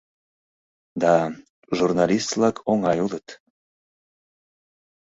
«Да, журналист-влак оҥай улыт.